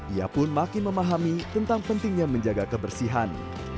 ia pun makin memahami tentang pentingnya menjaga kebersihan